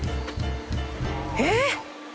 えっ！